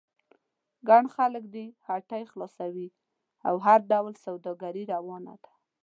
ګڼ خلک دي، هټۍ خلاصې او هر ډول سوداګري روانه ده.